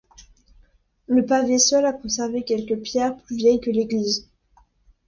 Le pavé seul a conservé quelques pierres plus vieilles que l'église.